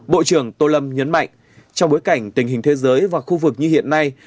bộ trưởng tô lâm nhấn mạnh trong bối cảnh tình hình thế giới và khu vực như hiện nay